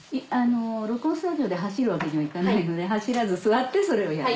録音スタジオで走るわけにはいかないので走らず座ってそれをやる。